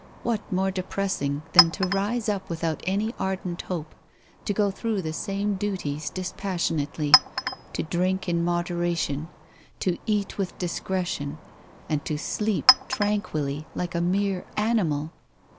What more depressing than to rise up without any ardent hope, to go through the same duties dispassionately, to drink in moderation, to eat with discretion, and to sleep tranquilly like a mere animal?"